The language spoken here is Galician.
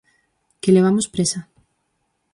Que levamos présa.